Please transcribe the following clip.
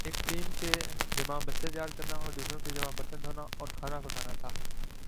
ایک ٹیم کے ذمہ بستر تیار کرنا اور دوسری کے ذمہ برتن دھونا اور کھانا پکانا تھا ۔